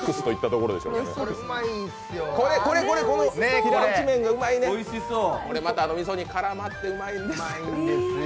これ、またみそに絡まってうまいんですよ。